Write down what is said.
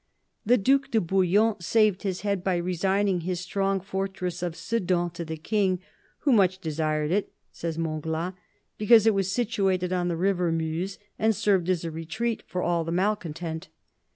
The Due de Bouillon saved his head by resigning his strong fortress of Sedan to the King —" who much desired it," says Montglat, " because it was situated on the river Meuse, and served as a retreat for all the malcontent."